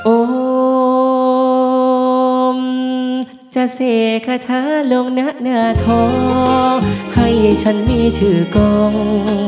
โอ้มจะเสกถ้าร้องหน้าหน้าทองให้ฉันมีชื่อกล่อง